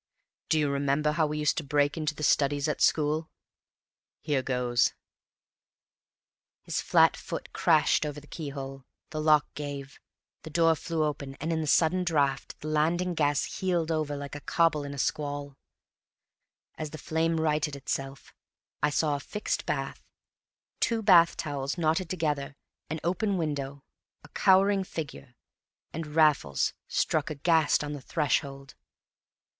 "Do you remember how we used to break into the studies at school? Here goes!" His flat foot crashed over the keyhole, the lock gave, the door flew open, and in the sudden draught the landing gas heeled over like a cobble in a squall; as the flame righted itself I saw a fixed bath, two bath towels knotted together an open window a cowering figure and Raffles struck aghast on the threshold.